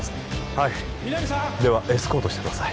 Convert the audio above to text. はいではエスコートしてください